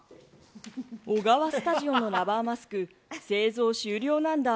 オガワスタジオのラバーマスク製造終了なんだ。